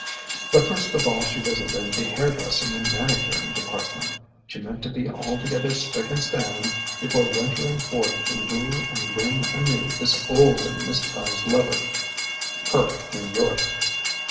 But first of all she visited the hairdressing and manicuring department: she meant to be altogether spick and span before venturing forth to woo and win anew this old and misprized lover, her New York.